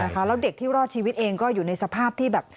แล้วเด็กที่รอดชีวิตเองก็อยู่ในสภาพที่แบบ